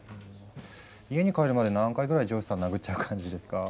家に帰るまで何回ぐらい上司さん殴っちゃう感じですか？